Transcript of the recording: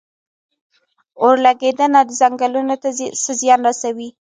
اورلګیدنه ځنګلونو ته څه زیان رسوي؟